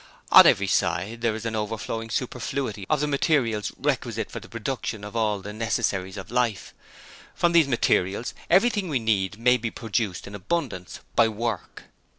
On every side there is an overflowing superfluity of the materials requisite for the production of all the necessaries of life: from these materials everything we need may be produced in abundance by Work.